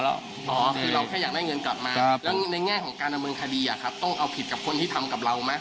อ๋อคือเราแค่อยากได้เงินกลับมาแล้วในแง่ของการดำเนินคดีต้องเอาผิดกับคนที่ทำกับเราไหม